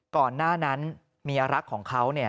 ก่อนหน้านั้นเมียรักของเขา